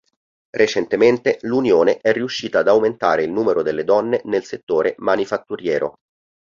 Recentemente, l'Unione è riuscita ad aumentare il numero delle donne nel settore manifatturiero.